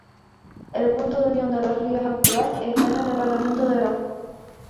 El punto de unión de los ríos actual está en el departamento de Orán.